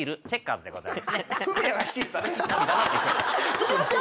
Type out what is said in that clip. いきますよ。